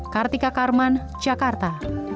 kartika karman jakarta